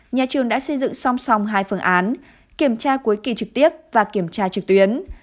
nhà trường đã xây dựng song song hai phương án kiểm tra cuối kỳ trực tiếp và kiểm tra trực tuyến